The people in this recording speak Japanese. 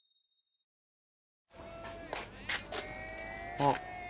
あっ。